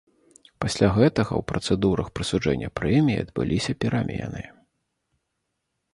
Пасля гэтага ў працэдурах прысуджэння прэміі адбыліся перамены.